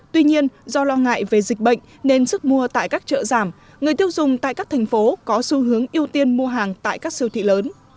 tuy nhiên do lo ngại về dịch bệnh nên sức mua tại các chợ giảm người tiêu dùng tại các thành phố có xu hướng ưu tiên mua hàng tại các siêu thị lớn